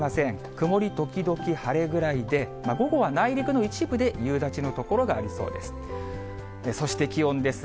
曇り時々晴れぐらいで、午後は内陸の一部で、夕立の所がありそうです。